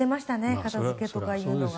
片付けとかいうのは。